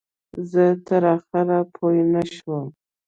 زه تر آخره پوی نه شوم.